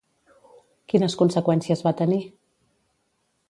Quines conseqüències va tenir?